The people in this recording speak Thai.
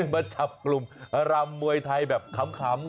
มาจับกลุ่มรำมวยไทยแบบขำ